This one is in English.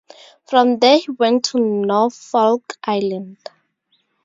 From there he went to Norfolk Island.